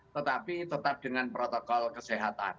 tetapi tetap dengan protokol kesehatan